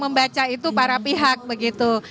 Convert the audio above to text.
membaca itu para pihak begitu